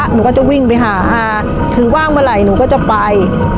หนูก็จะวิ่งไปหาอาคือว่างเมื่อไหร่หนูก็จะไป